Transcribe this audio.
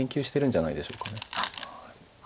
はい。